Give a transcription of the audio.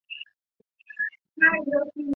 硫氰酸根存在键合异构体。